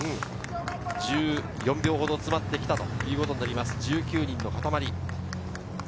１４秒ほど詰まってきたということになります、１９人のかたまり。